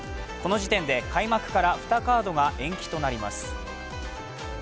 この時点で開幕から２カードが延期となります。